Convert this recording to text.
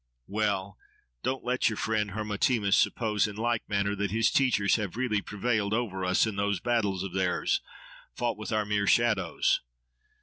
Well! don't let your friend Hermotimus suppose, in like manner, that his teachers have really prevailed over us in those battles of theirs, fought with our mere shadows.